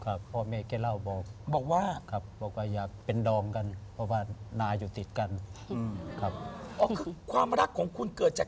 คือเห็นว่าคุณยังสองคนคุณความรักของคุณ